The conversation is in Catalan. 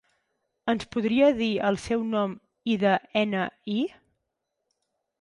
Ens podria dir el seu nom i de ena i?